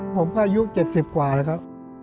ผมก็อายุ๗๐กว่าแล้วครับ